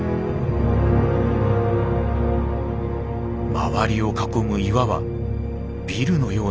周りを囲む岩はビルのような高さです。